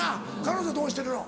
彼女はどうしてるの？